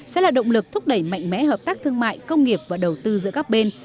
sẽ là động lực thúc đẩy mạnh mẽ hợp tác thương mại công nghiệp và đầu tư giữa các bên